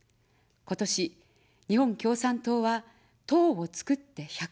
今年、日本共産党は党をつくって１００年。